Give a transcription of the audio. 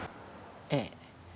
ええ。